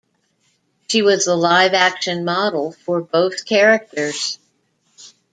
She was the live-action model for both characters.